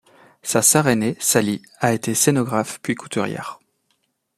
Sa sœur aînée, Sally, a été scénographe puis couturière.